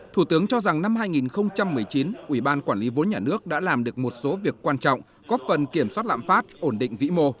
thủ tướng cho rằng năm hai nghìn một mươi chín ubnd đã làm được một số việc quan trọng góp phần kiểm soát lạm pháp ổn định vĩ mô